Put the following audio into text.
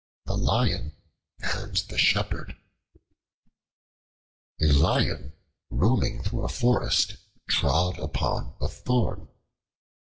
The Lion and the Shepherd A LION, roaming through a forest, trod upon a thorn.